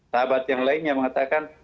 sahabat yang lainnya mengatakan